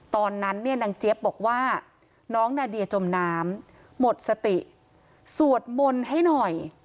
ตอนนั้นเนี่ยนางเจี๊ยบบอกว่าน้องนาเดียจมน้ำหมดสติสวดมนต์ให้หน่อย